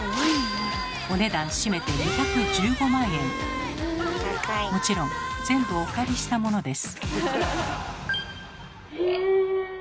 お値段締めてもちろん全部お借りしたものです。